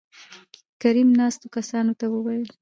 کريم : ناستو کسانو ته وويل